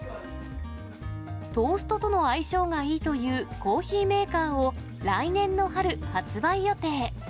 トーストとの相性がいいというコーヒーメーカーを、来年の春、発売予定。